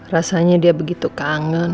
rasanya dia begitu kangen